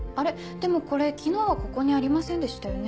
でもこれ昨日はここにありませんでしたよね？